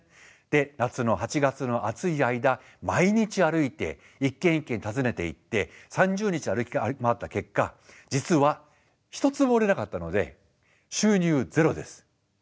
で夏の８月の暑い間毎日歩いて一軒一軒訪ねていって３０日歩き回った結果実は一つも売れなかったので収入ゼロです。